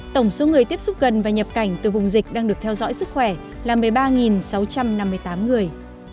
tổng số người tiếp xúc gần và nhập cảnh từ vùng dịch đang được theo dõi sức khỏe là một mươi ba sáu trăm năm mươi tám người